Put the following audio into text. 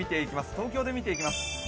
東京で見ていきます。